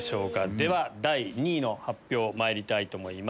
では第２位の発表まいりたいと思います。